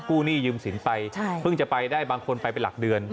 หนี้ยืมสินไปเพิ่งจะไปได้บางคนไปเป็นหลักเดือน